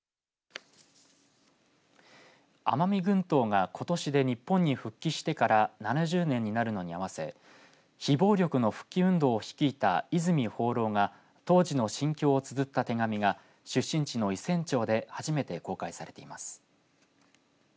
奄美群島がことしで日本に復帰してから７０年になるのに合わせ非暴力の復帰運動を率いた泉芳朗が当時の心境をつづった手紙が出身地の伊仙町で初めて公開されています。